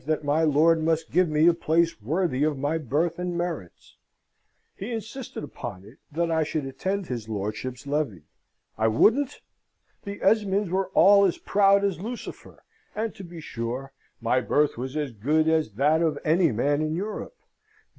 that my lord must give me a place worthy of my birth and merits. He insisted upon it that I should attend his lordship's levee. I wouldn't? The Esmonds were all as proud as Lucifer; and, to be sure, my birth was as good as that of any man in Europe.